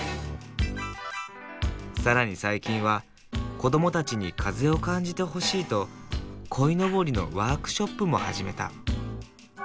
更に最近は子どもたちに風を感じてほしいと鯉のぼりのワークショップも始めた。